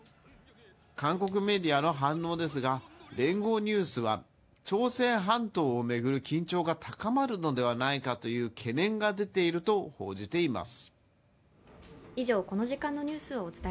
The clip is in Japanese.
韓国メディアの反応ですが、聯合ニュースは朝鮮半島を巡る緊張が高まるのではないかという懸念が出ていると報じています。